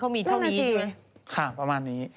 เขามีเท่านี้เหรอค่ะประมาณนี้